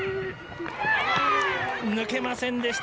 抜けませんでした。